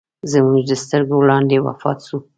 زموږ د سترګو وړاندې وفات سو.